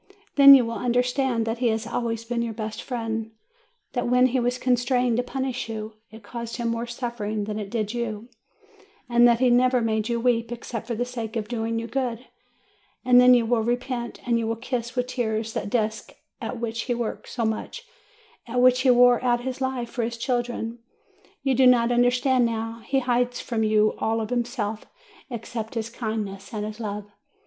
'* Then you will understand that he has always been your best friend, that when he was constrained to punish you, it caused him more suffering than it did you, and that he never made you weep except for the sake of doing you good ; and then you will repent, and you will kiss with tears that desk at which he worked so much, at which he wore out his life for his children. You do not under stand now; he hides from you all of himself, except his kindness and his love.